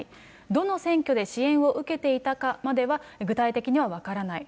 どの選挙で支援を受けていたかまでは、具体的には分からない。